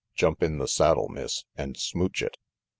"Jump in the saddle, Miss, and smooch it.